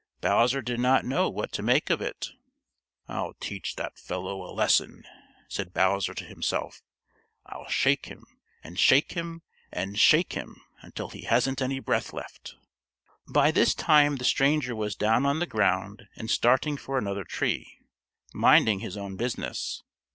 Bowser did not know what to make of it. "I'll teach that fellow a lesson," said Bowser to himself. "I'll shake him, and shake him and shake him until he hasn't any breath left." By this time the stranger was down on the ground and starting for another tree, minding his own business.